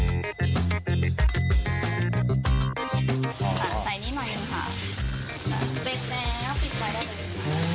เตะแล้วปิดไว้ได้เลย